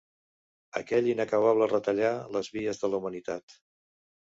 Aquell inacabable retallar les vies de la humanitat